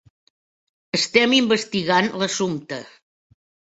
Estem investigant l'assumpte.